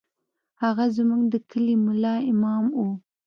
هغه زموږ د کلي ملا امام و.